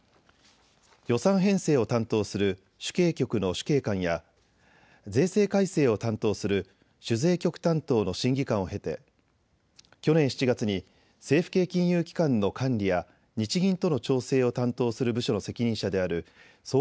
予算編成を担当する主計局の主計官や税制改正を担当する主税局担当の審議官を経て去年７月に政府系金融機関の管理や日銀との調整を担当する部署の責任者である総括